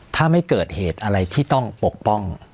ถ้าไม่เกิดเหตุอะไรที่ต้องปกป้อง